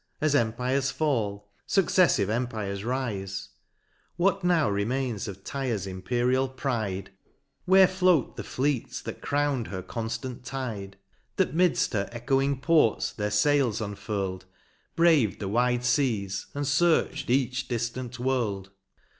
As empires fall, fuccefllve empires rife. What now remains of Tyre's imperial pride ? Where float the fleets that crown'd her conftant tide. That 'midft her echoing ports their fails unfurl'd, Brav'd the wide feas, and fearch'd each diftant world